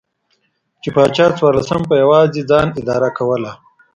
چې پاچا څوارلسم په یوازې ځان اداره کوله.